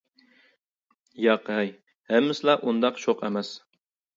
-ياق ھەي، ھەممىسىلا ئۇنداق شوق ئەمەس.